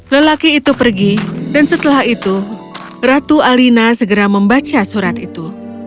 lelaki itu pergi dan setelah itu ratu alina segera membaca surat itu